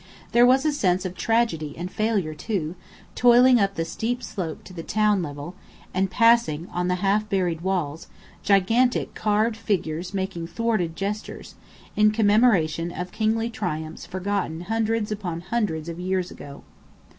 There was a sense of tragedy and failure, too, toiling up the steep slope to the town level, and passing, on the half buried walls, gigantic carved figures making thwarted gestures, in commemoration of kingly triumphs forgotten hundreds upon hundreds of years ago.